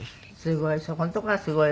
そこのとこがすごいわね。